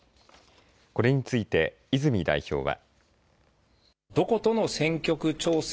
これについて泉代表は。